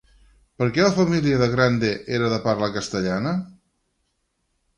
Per què la família de Grande era de parla castellana?